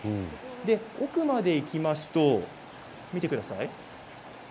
奥まで行きますと見てください。